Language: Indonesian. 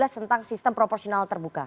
tentang sistem proporsional terbuka